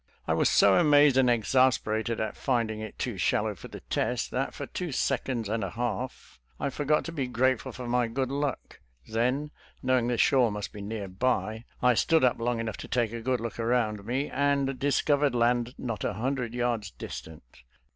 I was so amazed and exasperated at finding it too shallow for the test, that for two seconds and a half I forgot to be grateful for my good luck. Then knowing the shore must be near by, I stood SOME "ESCAPE" STORIES 201 up long enough to take a look around me, and discovered land not a hundred yards distant.